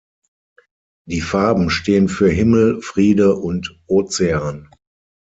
Die Farben stehen für Himmel, Friede und Ozean.